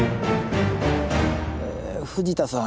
え藤田さん。